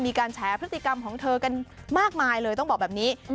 แฉพฤติกรรมของเธอกันมากมายเลยต้องบอกแบบนี้